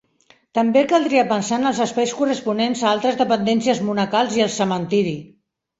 També caldria pensar en els espais corresponents a altres dependències monacals i al cementiri.